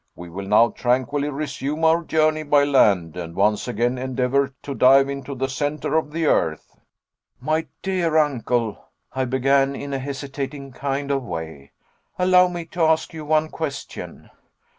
We will now tranquilly resume our journey by land, and once again endeavor to dive into the centre of the earth." "My dear uncle," I began, in a hesitating kind of way, "allow me to ask you one question."